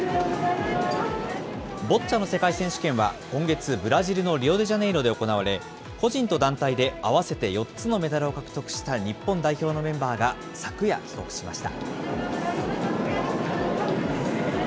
ボッチャの世界選手権は今月、ブラジルのリオデジャネイロで行われ、個人と団体で合わせて４つのメダルを獲得した日本代表のメンバーが、昨夜帰国しました。